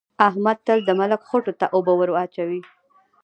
احمد تل د ملک خوټو ته اوبه وراچوي.